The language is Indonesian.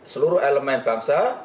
seluruh elemen bangsa